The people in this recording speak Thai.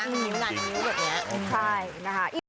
มันร้องนิ้วแบบนี้